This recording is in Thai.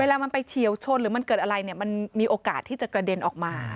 เวลามันไปเฉียวชนหรือมันเกิดอะไรเนี่ยมันมีโอกาสที่จะกระเด็นออกมา